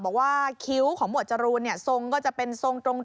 บอกว่าคิ้วของหมวดจรูนทรงก็จะเป็นทรง